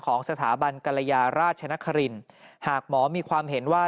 ของสถาบันกรยาราชนครินหากหมอมีความเห็นว่า